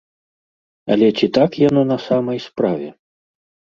Але ці так яно на самай справе?